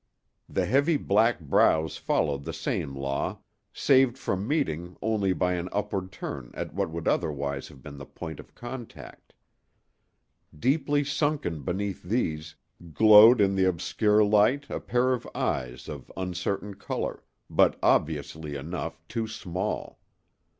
The heavy black brows followed the same law, saved from meeting only by an upward turn at what would otherwise have been the point of contact. Deeply sunken beneath these, glowed in the obscure light a pair of eyes of uncertain color, but obviously enough too small.